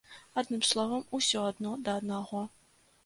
Адным словам, усё адно да аднаго.